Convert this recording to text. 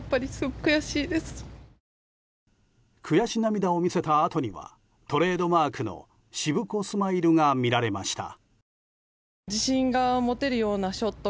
悔し涙を見せたあとにはトレードマークのしぶこスマイルが見られました。